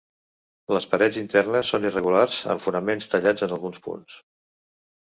Les parets internes són irregulars, amb fonaments tallats en alguns punts.